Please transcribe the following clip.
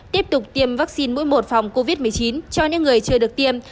tiếp tục tiêm vaccine mũi một phòng covid một mươi chín cho những người chưa được tiêm